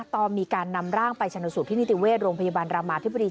ตอนมีการนำร่างไปชนสูตรที่นิติเวชโรงพยาบาลรามาธิบดี